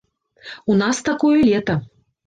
У нас такое лета.